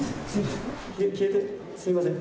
すみません。